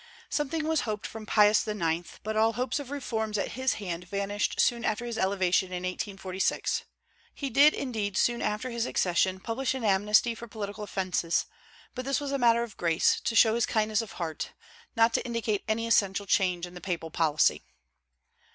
Something was hoped from Pius IX.; but all hopes of reforms at his hand vanished soon after his elevation in 1846. He did, indeed, soon after his accession, publish an amnesty for political offences; but this was a matter of grace, to show his kindness of heart, not to indicate any essential change in the papal policy.